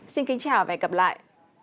xin kính chào và hẹn gặp lại